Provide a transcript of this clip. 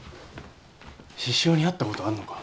獅子雄に会ったことあんのか？